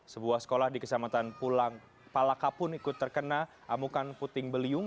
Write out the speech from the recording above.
sebuah sekolah di kecamatan pulang palaka pun ikut terkena amukan puting beliung